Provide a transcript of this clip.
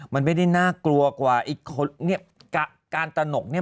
มันไม่ได้น่ากลัวกว่าเงียบเอากระกาลตนกเนี่ย